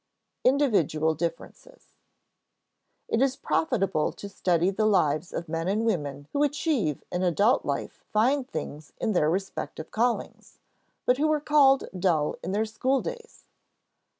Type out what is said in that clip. [Sidenote: Individual differences] It is profitable to study the lives of men and women who achieve in adult life fine things in their respective callings, but who were called dull in their school days.